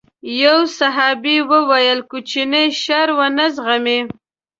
يو صحابي وويل کوچنی شر ونه زغمي.